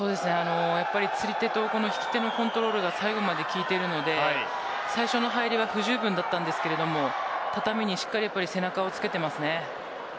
釣り手と引き手のコントロールが最後まで効いているので最初の入りが不十分でしたが畳にしっかり背中をつけています。